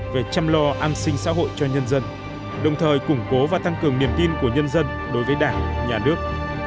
về chăm lo an sinh xã hội cho nhân dân đồng thời củng cố và tăng cường niềm tin của nhân dân đối với đảng nhà nước